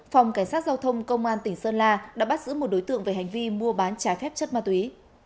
phòng cảnh sát giao thông công an tỉnh sơn la đã bắt giữ một đối tượng về hành vi mua bán trái phép chất ma túy